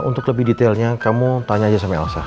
untuk lebih detailnya kamu tanya aja sama elsa